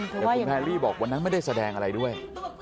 แต่คุณแพรรี่บอกวันนั้นไม่ได้แสดงอะไรด้วย